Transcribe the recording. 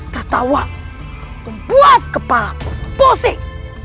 tertawa membuat kepala aku pusing